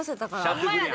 ホンマやで。